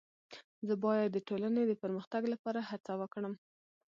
زه باید د ټولني د پرمختګ لپاره هڅه وکړم.